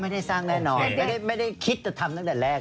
ไม่ได้สร้างแน่นอนไม่ได้ไม่ได้คิดจะทำตั้งแต่แรก